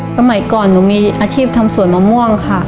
สมัยก่อนหนูมีอาชีพทำสวนมะม่วงค่ะ